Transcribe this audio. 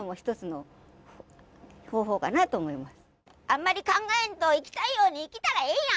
あんまり考えんと生きたいように生きたらええんや！